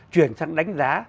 chuyển sang đánh giá